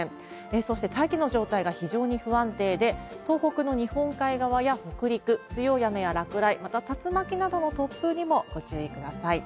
そして、大気の状態が非常に不安定で、東北の日本海側や北陸、強い雨や落雷、また竜巻などの突風にもご注意ください。